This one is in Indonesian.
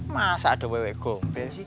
masa ada wewe gombel sih